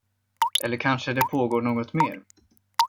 Eller kanske det pågår något mer.